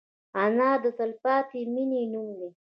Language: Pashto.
انا د تلپاتې مینې نوم دی